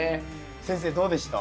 先生どうでした？